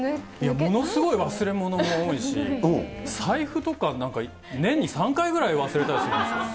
ものすごい忘れ物多いし、財布とか、なんか年に３回ぐらい忘れたりするんですよ。